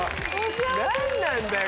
何なんだよ